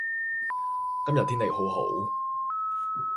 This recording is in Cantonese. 今日天氣好好